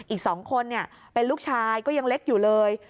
อีก๒คนเป็นลูกชายก็ยังเล็กอยู่เลย